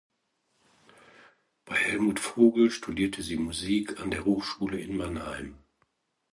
Bei Helmut Vogel studierte sie Musik an der Hochschule in Mannheim.